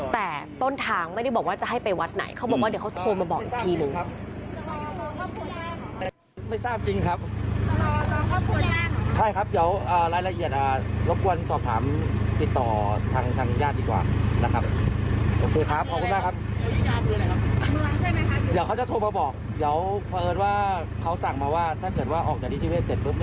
แต่ต้นทางไม่ได้บอกว่าจะให้ไปวัดไหนเขาบอกว่าเดี๋ยวเขาโทรมาบอกอีกทีหนึ่ง